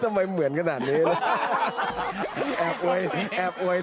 ทำไมเหมือนขนาดนี้แอบไว้ตัวเอง